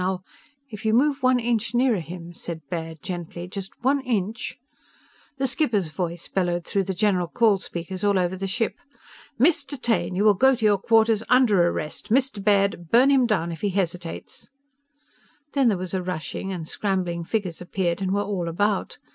I'll " "If you move one inch nearer him," said Baird gently, "just one inch " The skipper's voice bellowed through the general call speakers all over the ship: "Mr. Taine! You will go to your quarters, under arrest! Mr. Baird, burn him down if he hesitates!" Then there was a rushing, and scrambling figures appeared and were all about.